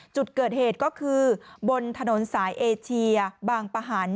จุดเกิดเหตุก็คือบนถนนสายเอเชียบางปะหัน